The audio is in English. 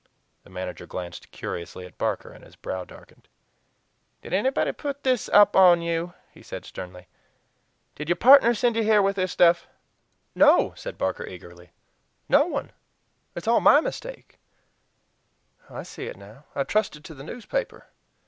The manager glanced curiously at Barker, and his brow darkened. "Did anybody put this up on you?" he said sternly. "Did your partners send you here with this stuff?" "No! no!" said Barker eagerly. "No one! It's all MY mistake. I see it now. I trusted to the newspaper."